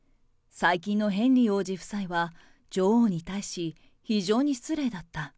最近のヘンリー王子夫妻は、女王に対し、非常に失礼だった。